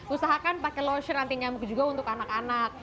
usahakan pakai lotion anti nyamuk juga untuk anak anak